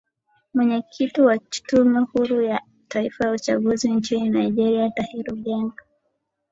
mwenyekiti wa tume huru ya taifa ya uchaguzi nchini nigeria tahiru ngega